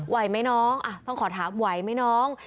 ไหวไหมน้องต้องขอถามไหวไหมน้อง